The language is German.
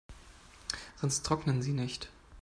Sonst trocknen sie nicht.